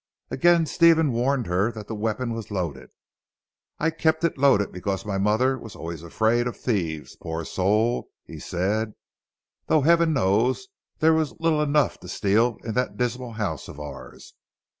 Again Stephen warned her that the weapon was loaded. "I kept it loaded because my mother was always afraid of thieves poor soul," he said, "though heaven knows there was little enough to steal in that dismal house of ours!